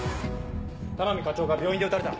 田波課長が病院で撃たれた。